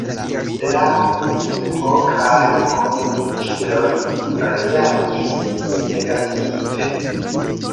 La publiko kaj komunikiloj reagis negative.